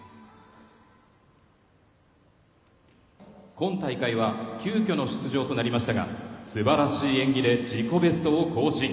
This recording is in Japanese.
今大会は急きょの出場となりましたがすばらしい演技で自己ベストを更新。